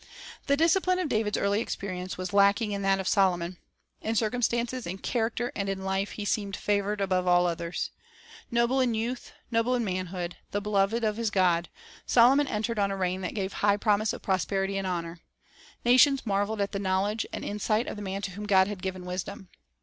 2 The discipline of David's earl) experience was lack ing in that of Solomon. In circumstances, in character, and in life, he seemed favored above all others. Noble 1 i Sam. 22 : i. 2 2 Sam. 8 : 15. Bible Biographies 153 in youth, noble in manhood, the beloved of his God, Solomon entered on a reign that gave high promise of prosperity and honor. Nations marveled at the knowl edge and insight of the man to whom God had given wisdom.